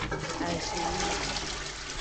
Azinmi.